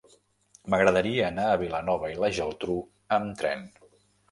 M'agradaria anar a Vilanova i la Geltrú amb tren.